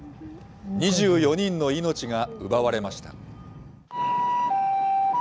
２４人の命が奪われました。